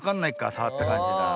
さわったかんじが。